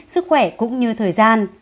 sức khỏe cũng như thời gian